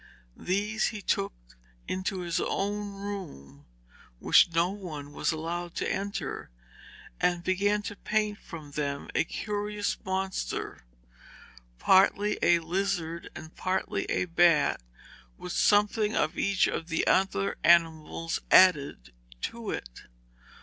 These he took into his own room, which no one was allowed to enter, and began to paint from them a curious monster, partly a lizard and partly a bat, with something of each of the other animals added to it.